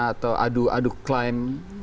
atau adu adu klaim